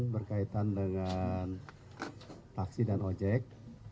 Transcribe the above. berkaitan dengan taksi dan ojek